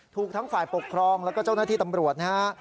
ถูกทั้งฝ่ายปกครองแล้วก็เจ้าหน้าที่ตำรวจนะฮะ